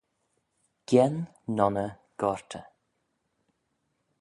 Gien nonney gortey